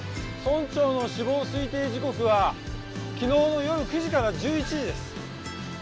村長の死亡推定時刻は昨日の夜９時から１１時です。